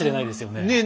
ねえ